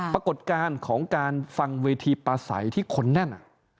ปรากฏการณ์ของการฟังเวทีปลาใสที่คนแน่น